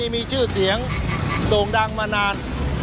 มีชื่อเสียงโด่งดังมานาน